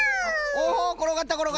おおころがったころがった。